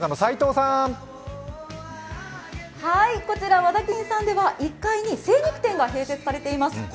こちら、和田金さんでは１階に精肉店が併設されています。